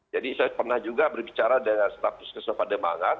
jadi saya pernah juga berbicara dengan status kesempatan pandemangan